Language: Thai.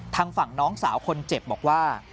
ทางฝั่งน้องสาวคนเจ็บบอกว่า